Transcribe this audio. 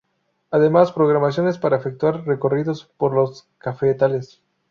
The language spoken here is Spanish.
Además, programaciones para efectuar recorridos por los cafetales.